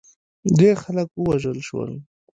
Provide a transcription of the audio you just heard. ډېر خلک ووژل شول.